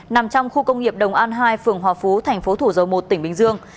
nằm trong khu công nghiệp đồng an hai phường hòa phú tp thủ dầu một tỉnh bình dương